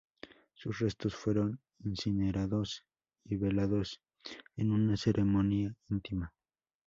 Sus restos fueron incinerados y velados en una ceremonia íntima.